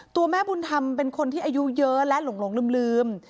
ตัวแม่บุญธรรมเป็นคนที่อายุเยอะและหลงลืม